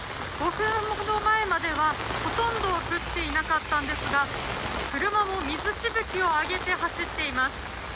５分ほど前までは、ほとんど降っていなかったんですが車も水しぶきを上げて走っています。